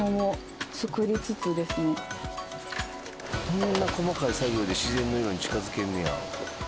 こんな細かい作業で自然の色に近づけんねや。